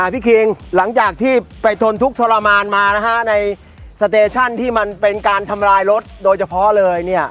คิงหลังจากที่ไปทนทุกข์ทรมานมานะฮะในสเตชั่นที่มันเป็นการทำลายรถโดยเฉพาะเลยเนี่ย